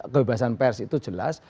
kebebasan press itu jelas